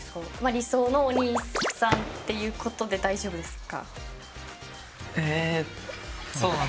理想のお兄さんということで大丈夫ですか？